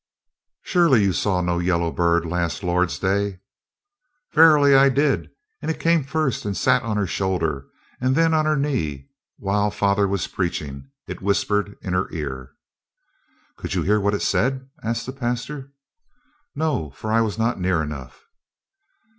"Surely you saw no yellow bird last Lord's day." "Verily, I did, and it came first and sat on her shoulder, and then on her knee, and, while father was preaching, it whispered in her ear." "Could you hear what it said?" asked the pastor. "No, for I was not near enough."